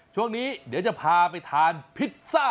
ช่วงนี้เดี๋ยวจะพาไปทานพิซซ่า